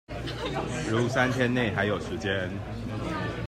如三天内還有時間